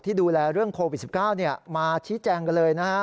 ดูแลเรื่องโควิด๑๙มาชี้แจงกันเลยนะฮะ